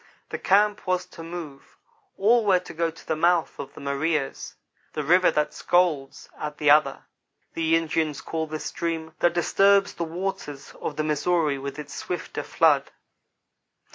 The camp was to move. All were to go to the mouth of the Maria's "The River That Scolds at the Other" the Indians call this stream, that disturbs the waters of the Missouri with its swifter flood.